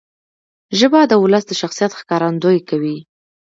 ژبه د ولس د شخصیت ښکارندویي کوي.